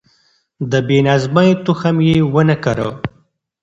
د بې نظمۍ تخم يې ونه کره.